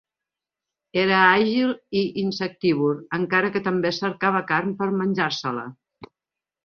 Era àgil i insectívor, encara que també cercava carn per menjar-se-la.